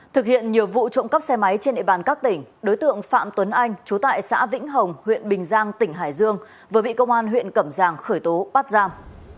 thực hiện nhiều vụ trộm cắp xe máy trên địa bàn các tỉnh đối tượng phạm tuấn anh chú tại xã vĩnh hồng huyện bình giang tỉnh hải dương vừa bị công an huyện cẩm giang khởi tố bắt giam